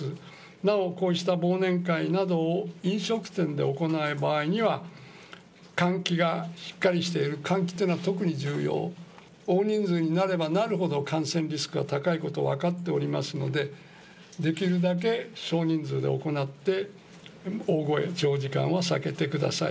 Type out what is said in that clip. なおこうした忘年会などを飲食店で行う場合には、換気がしっかりしている、換気というのは、特に重要、大人数になればなるほど、感染リスクが高いことは分かっておりますので、できるだけ少人数で行って、大声、長時間を避けてください。